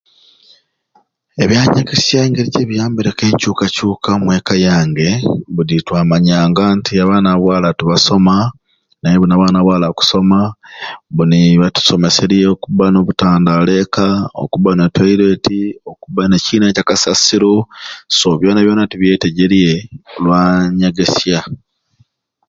Ebyanyegesya engeri gyebiyambire ku ekyukakyuka omweka yange budi twamanyanga nti abaana ba bwala tebasoma naye buni abaana ba bwala bakusoma buni bakusomeserye okuba n'obutandalo ekka okuba no toilet okuba ne kyina kya kasasiro so byona byona tubyetejere oku lwa nyegesya